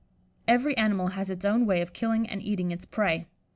Every animal has its own way of killing and eating its prey.